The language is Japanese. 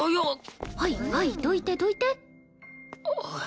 はいはいどいてどいて。